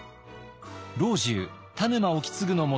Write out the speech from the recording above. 老中田沼意次の下